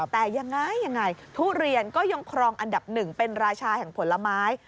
แต่ยังไงยังไงทุเรียนก็ยังครองอันดับหนึ่งเป็นราชาแห่งผลไม้